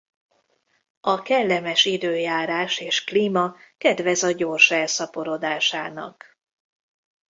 A kellemes időjárás és klíma kedvez a gyors elszaporodásának.